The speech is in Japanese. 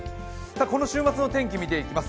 この週末の天気、見ていきます。